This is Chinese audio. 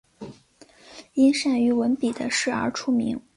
因善于文笔的事而出名。